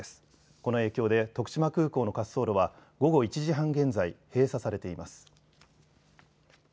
この影響で徳島空港の滑走路は午後１時半現在、閉鎖されています。